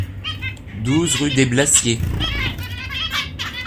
douze rue des Blassiers